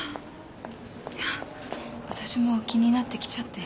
私も気になって来ちゃって。